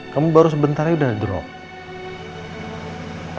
kamu baru sebentar aja udah drop